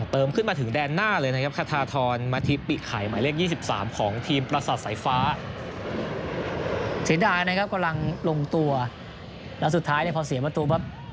เสียดายนะครับกำลังลงตัวแล้วสุดท้ายเนี่ยพอเสียประตูแบบ